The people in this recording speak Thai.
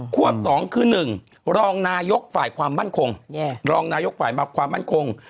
ควบ๒คือ๑รองนายกฝ่ายความมั่นคง